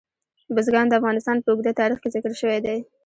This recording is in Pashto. بزګان د افغانستان په اوږده تاریخ کې ذکر شوی دی.